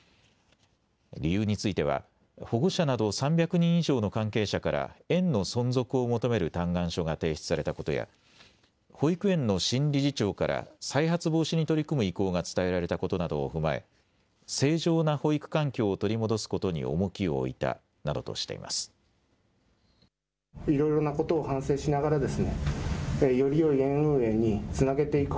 理由については、保護者など３００人以上の関係者から園の存続を求める嘆願書が提出されたことや保育園の新理事長から再発防止に取り組む意向が伝えられたことなどを踏まえ、正常な保育環境を取り戻すことに重きを置いたなどとしています。